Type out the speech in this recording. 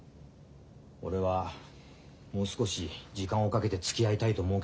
俺はもう少し時間をかけてつきあいたいと思うけどね。